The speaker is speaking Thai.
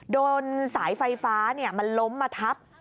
โดนสายไฟฟ้ามันล้มมาทับ